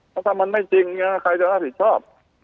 แล้วถ้ามันไม่จริงเนี่ยใครจะเอาผิดชอบ